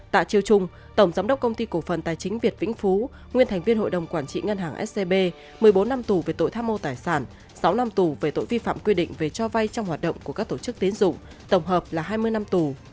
tạ chiêu trung tổng giám đốc công ty cổ phần tài chính việt vĩnh phú nguyên thành viên hội đồng quản trị ngân hàng scb một mươi bốn năm tù về tội tham mô tài sản sáu năm tù về tội vi phạm quy định về cho vay trong hoạt động của các tổ chức tiến dụng tổng hợp là hai mươi năm tù